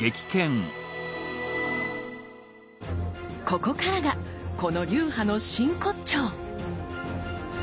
ここからがこの流派の真骨頂！